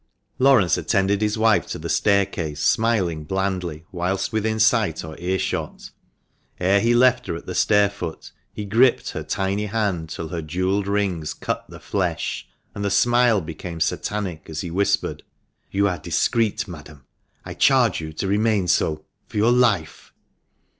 Laurence attended his wife to the staircase, smiling blandly whilst within sight or earshot. Ere he left her at the stairfoot he gripped her tiny hand till her jewelled rings cut the flesh ; and the smile became satanic as he whispered — "You are discreet, madam. I charge you to remain so — for your life